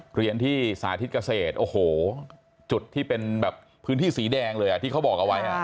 เรียนที่สาธิตเกษตรโอ้โหจุดที่เป็นแบบพื้นที่สีแดงเลยที่เขาบอกเอาไว้